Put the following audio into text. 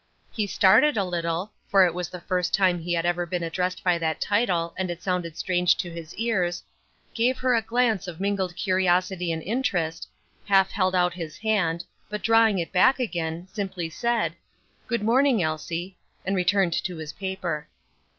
He started a little for it was the first time he had ever been addressed by that title, and it sounded strange to his ears gave her a glance of mingled curiosity and interest, half held out his hand, but drawing it back again, simply said, "Good morning, Elsie," and returned to his paper.